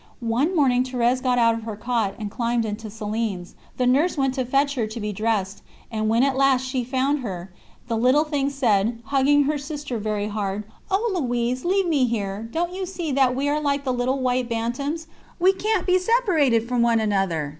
"One morning Thérèse got out of her cot and climbed into Céline's. The nurse went to fetch her to be dressed, and, when at last she found her, the little thing said, hugging her sister very hard: 'Oh, Louise! leave me here, don't you see that we are like the little white bantams, we can't be separated from one another.'"